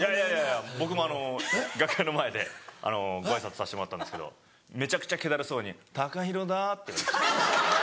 僕も楽屋の前でご挨拶させてもらったんですけどめちゃくちゃ気だるそうに「ＴＡＫＡＨＩＲＯだ」って。